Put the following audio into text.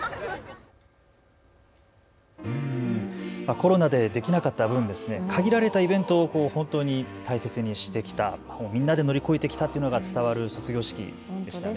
コロナでできなかった分限られたイベントを本当に大切にしてきた、みんなで乗り越えてきたというのが伝わる卒業式でしたね。